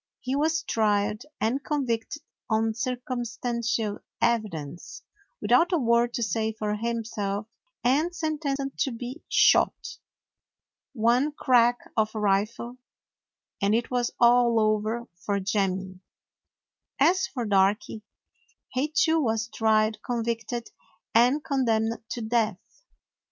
He was tried and convicted on circumstantial evidence, without a word to say for himself, and sentenced to be shot. One crack of a rifle, and it was all over for Jemmy. As for Darky, he too was tried, convicted, and condemned to death.